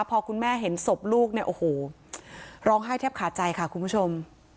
พอคุณแม่เห็นศพลูกเนี่ยโอ้โหร้องไห้แทบขาดใจค่ะคุณผู้ชม